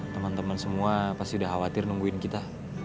teman teman semua pasti udah khawatir nungguin kita